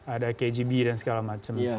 ada kg dan segala macam